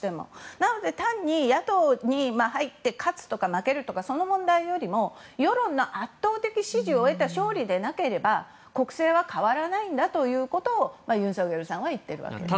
なので単に野党に入って勝つとか負けるとかその問題よりも世論の圧倒的支持を得た勝利出なければ、国政は変わらないんだということをユン・ソクヨルさんは言っているわけです。